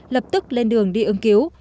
lập tức lên đường đi ứng cứu